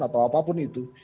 atau apapun itu